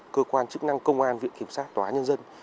cơ quan chức năng công an viện kiểm sát tòa án nhân dân